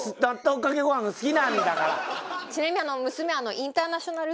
ちなみに娘。